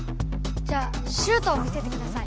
じゃあシュートを見せてください。